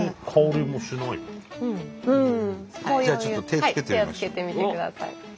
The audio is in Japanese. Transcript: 手をつけてみてください。